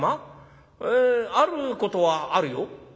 えあることはあるよ」。